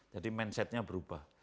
jadi mindsetnya berubah